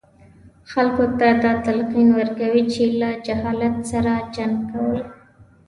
خلکو ته دا تلقین ورکوي چې له جهالت سره جنګ کول.